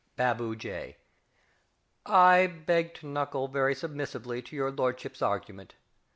Baboo J. I beg to knuckle very submissively to your lordship's argument.